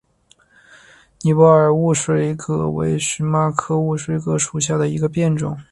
尼泊尔雾水葛为荨麻科雾水葛属下的一个变种。